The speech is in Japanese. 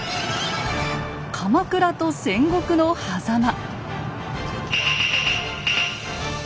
鎌倉と戦国のはざま。